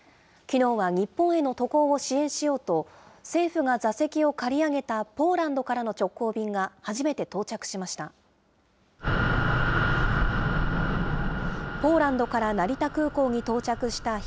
きのうは日本への渡航を支援しようと、政府が座席を借り上げたポーランドからの直行便が初めて到着しました。